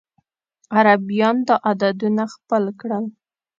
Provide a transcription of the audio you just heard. عربيان دا عددونه خپل کړل.